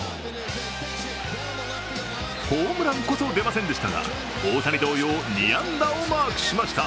ホームランこそ出ませんでしたが大谷同様、２安打をマークしました。